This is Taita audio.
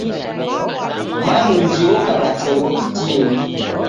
Malunji oka na chongo kitini.